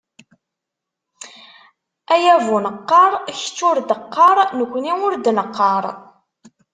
Ay abuneqqar: kečč ur d-qqar, nekkni ur d-neqqar!